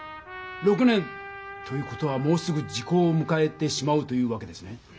６年という事はもうすぐ時効をむかえてしまうというわけですね。